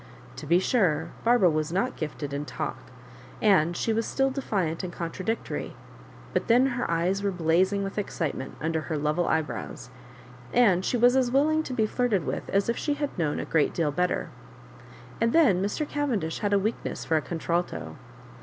To be sur% Barbara was not gifted Digitized by VjOOQIC 34 MISS MABJORIBAKKa in talk, and she was still defiant and contradic tory; but then her eyes were blazing with excitement under her level eyebrows, and she was as willing to be flirted with as if she had known a great deal better. And then Mr. Cavendish had a weakness for a contralto.